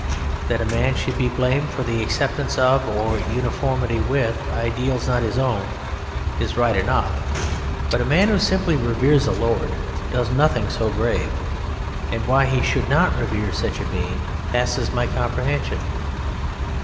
That a man should be blamed for the acceptance of, or uniformity with, ideals not his own is right enough; but a man who simply reveres a Lord does nothing so grave: and why he should not revere such a being passes my comprehension.